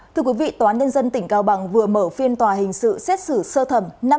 thưa quý vị tòa án nhân dân tỉnh cao bằng vừa mở phiên tòa hình sự xét xử sơ thẩm